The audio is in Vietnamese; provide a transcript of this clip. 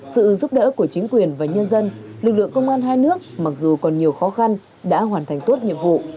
sự giúp đỡ của chính quyền và nhân dân lực lượng công an hai nước mặc dù còn nhiều khó khăn đã hoàn thành tốt nhiệm vụ